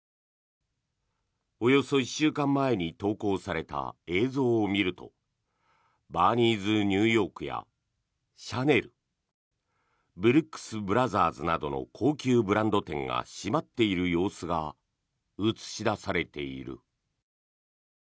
およそ１週間前に投稿された映像を見るとバーニーズ・ニューヨークやシャネルブルックス・ブラザーズなどの高級ブランド店が閉まっている様子が映し出されている。